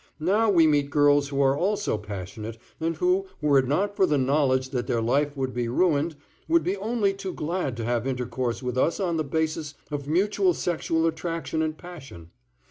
Now we meet girls who are also passionate and who, were it not for the knowledge that their life would be ruined, would be only too glad to have intercourse with us on the basis of mutual sexual attraction and passion.